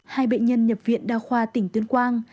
hai bệnh nhân nhập viện đa khoa tỉnh tuyên quang